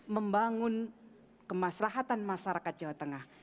membangun kemaslahatan masyarakat jawa tengah